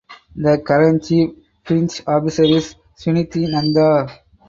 The current chief fintech officer is Suniti Nanda.